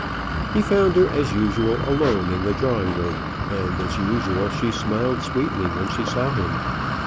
He found her as usual alone in the drawing room, and, as usual, she smiled sweetly when she saw him.